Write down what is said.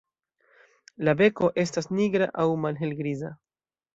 La beko estas nigra aŭ malhelgriza.